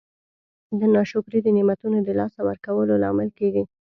ناشکري د نعمتونو د لاسه ورکولو لامل کیږي.